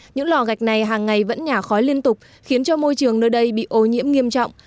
những lò gạch này hàng ngày vẫn nhả khói liên tục khiến cho môi trường nơi đây bị ô nhiễm nghiêm trọng